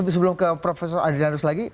tapi sebelum ke prof adrianus lagi